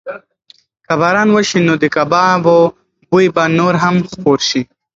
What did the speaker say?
که باران وشي نو د کبابو بوی به نور هم خپور شي.